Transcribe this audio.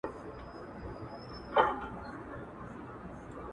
له هغه څه لاس نه اخیستل